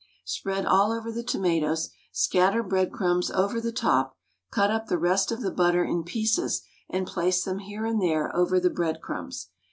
Spread all over the tomatoes, scatter breadcrumbs over the top, cut up the rest of the butter in pieces and place them here and there over the breadcrumbs.